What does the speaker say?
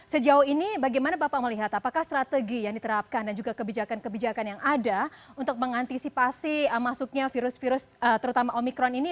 sejauh ini bagaimana bapak melihat apakah strategi yang diterapkan dan juga kebijakan kebijakan yang ada untuk mengantisipasi masuknya virus virus terutama omikron ini